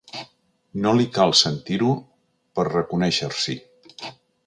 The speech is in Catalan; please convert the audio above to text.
No li cal sentir-ho per reconèixer-s'hi.